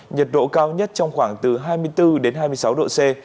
nhiệt độ cao nhất trong khoảng từ hai mươi bốn đến hai mươi sáu độ c